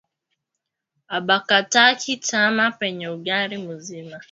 Abakataki tama penyewe ungali muzima